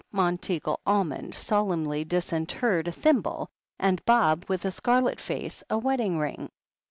Monteagle Almond solemnly dis interred a thimble, and Bob, with a scarlet face, a wedding ring.